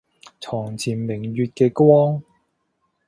床前明月嘅光